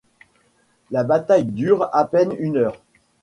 La bataille dure à peine une heure.